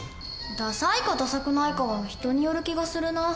ダサいかダサくないかは人による気がするな。